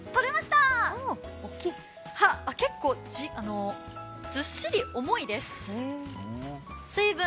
結構、ずっしり重いです。